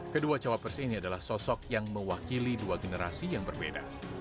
kedua cawapres ini adalah sosok yang mewakili dua generasi yang berbeda